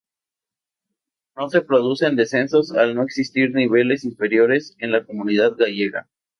No se producen descensos al no existir niveles inferiores en la comunidad gallega.